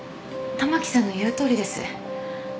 たまきさんの言うとおりです。